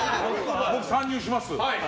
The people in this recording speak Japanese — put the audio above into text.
僕、参入します。